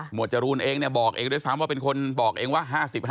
จรูนเองบอกเองด้วยซ้ำว่าเป็นคนบอกเองว่า๕๐๕